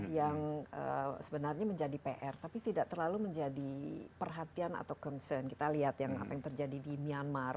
yang sebenarnya menjadi pr tapi tidak terlalu menjadi perhatian atau concern kita lihat yang apa yang terjadi di myanmar